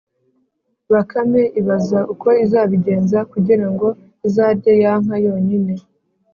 Bakame ibaza uko izabigenza kugira ngo izarye ya nka yonyine